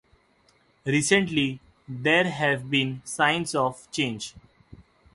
Recently, there have been signs of change.